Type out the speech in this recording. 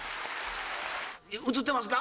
映ってますか？